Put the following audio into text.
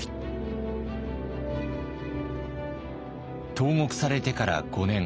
投獄されてから５年。